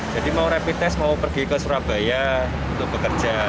jadi mau rapi tes mau pergi ke surabaya untuk bekerja